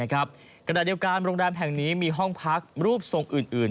ขณะเดียวกันโรงแรมแห่งนี้มีห้องพักรูปทรงอื่น